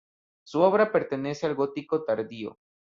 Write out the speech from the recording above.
Su obra pertenece al gótico tardío.